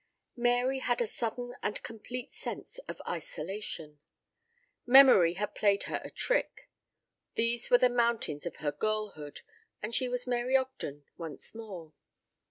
Mary had a sudden and complete sense of isolation. Memory had played her a trick. These were the mountains of her girlhood, and she was Mary Ogden once more.